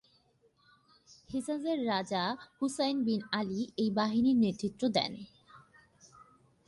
হেজাজের রাজা Hussein bin Ali এই বাহিনীর নেতৃত্ব দেন।